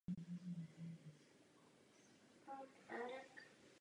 V současné době je ale nenajdeme v žádné tuzemské zoo ani u soukromého chovatele.